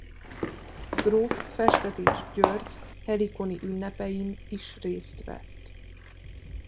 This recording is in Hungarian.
Gróf Festetics György helikoni ünnepein is részt vett.